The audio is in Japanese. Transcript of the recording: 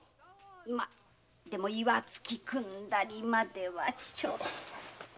まあ岩槻くんだりまではちょっと。